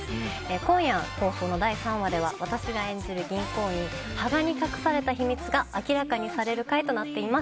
今夜放送の第３話では私が演じる銀行員、羽賀に隠された秘密が明らかにされる回となっています。